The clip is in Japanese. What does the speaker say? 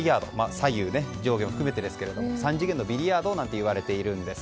左右上下を含めてですが３次元のビリヤードといわれているんです。